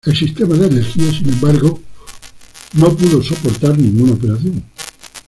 El sistema de energía, sin embargo, no pudo soportar ninguna operación.